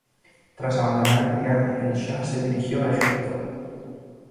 Tras abandonar Irán el sha se dirigió a Egipto.